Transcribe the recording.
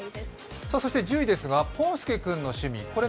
そして１０位ですが、ポンすけくんの趣味。